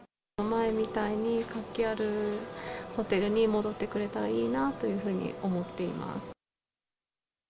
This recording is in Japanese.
前みたいに、活気あるホテルに戻ってくれたらいいなというふうに思っています。